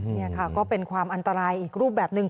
นี่ค่ะก็เป็นความอันตรายอีกรูปแบบหนึ่ง